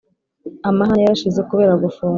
Amahane yarashize kubera gufungwa